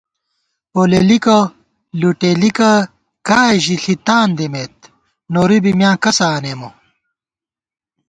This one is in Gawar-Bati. پولېلِک لُٹېلِک کائے ژِݪی تان دِمېت، نوری بی میاں کسہ آنېمہ